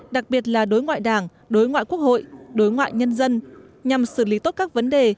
đặc biệt là đối ngoại đảng đối ngoại quốc hội đối ngoại nhân dân nhằm xử lý tốt các vấn đề